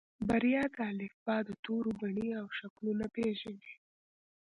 بريا د الفبا د تورو بڼې او شکلونه پېژني.